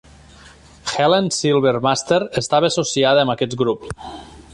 Helen Silvermaster estava associada amb aquest grup.